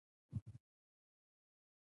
د پلار او مور خدمت د جنت لاره ګڼل کیږي.